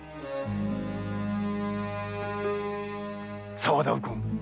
沢田右近。